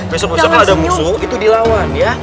besok besok kalau ada musuh itu dilawan ya